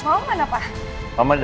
semoga mama gak bawa kabar buruk buat gue